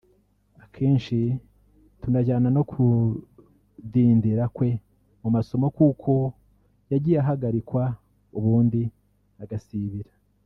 akenshi tunajyana no kudindira kwe mu masomo kuko yagiye ahagarikwa ubundi agasibira